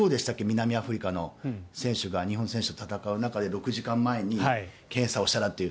南アフリカの選手が日本選手と戦う前に６時間前に検査をしたという。